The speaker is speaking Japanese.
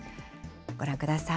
ご覧ください。